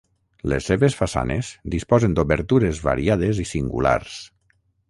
Les seves façanes disposen d'obertures variades i singulars.